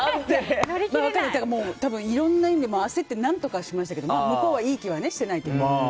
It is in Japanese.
多分いろんな意味で焦って何とかしましたけど向こうはいい気はしてないけど。